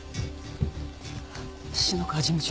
篠川事務長。